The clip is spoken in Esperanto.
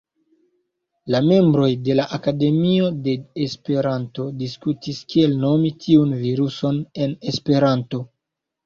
La membroj de la Akademio de Esperanto diskutis, kiel nomi tiun viruson en Esperanto.